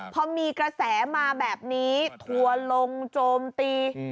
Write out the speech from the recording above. พอมีกระแสมาแบบนี้ทัวร์ลงโจมตี